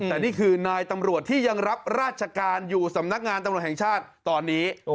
แต่นี่คือนายตำรวจที่ยังรับราชการอยู่สำนักงานตำรวจแห่งชาติตอนนี้